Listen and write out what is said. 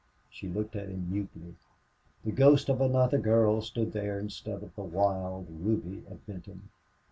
She looked at him mutely. The ghost of another girl stood there instead of the wild Ruby of Benton.